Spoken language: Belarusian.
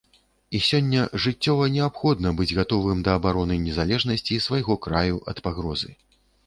І сёння жыццёва неабходна быць гатовым да абароны незалежнасці свайго краю ад пагрозы.